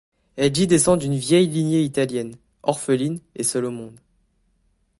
Elle dit descendre d'une vieille lignée italienne, orpheline et seule au monde.